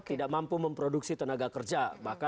tidak mampu memproduksi tenaga kerja